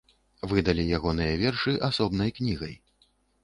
Выдалі ягоныя вершы асобнай кнігай.